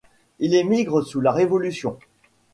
Il émigre sous la Révolution.